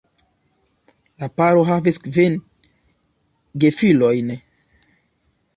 La paro havis kvin gefilojn.